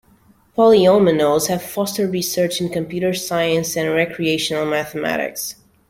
Polyominoes have fostered research in computer science and recreational mathematics.